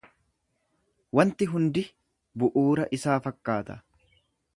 Wanti hundi bu'uura isaa fakkaata.